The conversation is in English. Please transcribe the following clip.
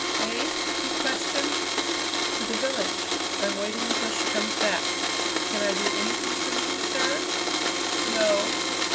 "Eh?" he questioned. "To the village. I'm waiting until she comes back. Can I do anything for you, sir?" "No.